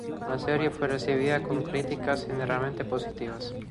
La serie fue recibida con críticas generalmente positivas.